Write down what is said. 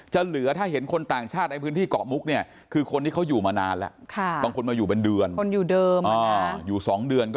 จะเหลือถ้าเห็นคนต่างชาติไอ้พื้นที่เกาะมุกคือคนที่เขาอยู่มานานแล้ว